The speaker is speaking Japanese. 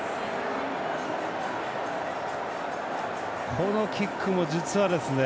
このキックも実はですね